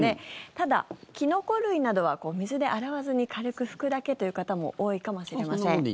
ただ、キノコ類などは水で洗わずに軽く拭くだけという方も多いかもしれません。